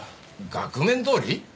額面どおり？